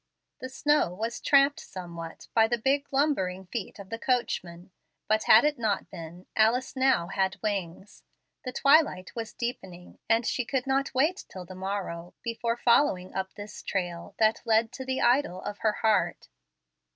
The snow was tramped somewhat by the big lumbering feet of the coach man, but had it not been, Alice now had wings. The twilight was deepening, and she could not wait till the morrow before following up this trail that led to the idol of her heart.